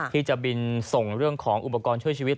ที่จะบินส่งเรื่องของอุปกรณ์ช่วยชีวิต